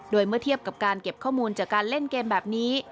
โดยเมื่อเทียบกับการเก็บข้อมูลจากการเล่นเกมแบบนี้